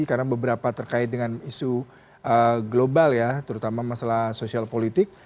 karena beberapa terkait dengan isu global ya terutama masalah sosial politik